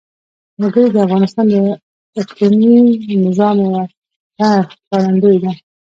وګړي د افغانستان د اقلیمي نظام یوه ښه ښکارندوی ده.